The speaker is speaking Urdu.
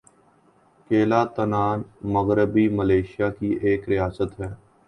"کیلانتان" مغربی ملائیشیا کی ایک ریاست ہے۔